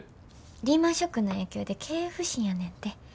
リーマンショックの影響で経営不振やねんて。